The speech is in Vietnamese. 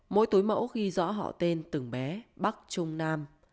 mỗi túi mẫu ghi rõ họ tên từng bé bắc trung nam